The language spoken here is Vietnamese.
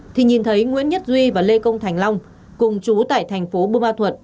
thì nhìn thấy nguyễn nhất duy và lê công thành long cùng chú tại thành phố bù ma thuật